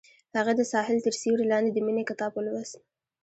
هغې د ساحل تر سیوري لاندې د مینې کتاب ولوست.